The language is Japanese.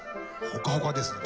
ほかほかですね。